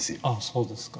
そうですか。